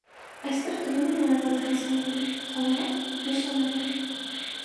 Այստեղ կլիման արևադարձային է, խոնավ, մուսոնային։